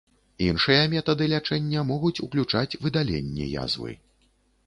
Іншыя метады лячэння могуць уключаць выдаленне язвы.